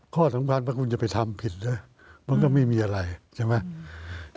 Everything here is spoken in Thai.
ข้อสำคัญว่าคุณจะไปทำผิดนะมันก็ไม่มีอะไรใช่ไหม